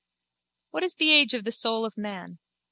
What is the age of the soul of man?